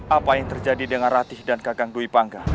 apa yang terjadi dengan rati dan kakak bipangga